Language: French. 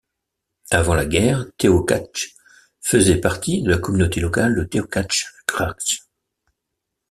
Avant la guerre Teočak faisait partie de la communauté locale de Teočak-Krstac.